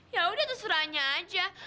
ya udah tuh serahnya aja